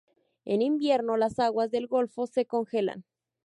En invierno, las aguas del golfo se congelan.